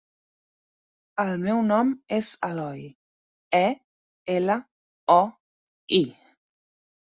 El meu nom és Eloi: e, ela, o, i.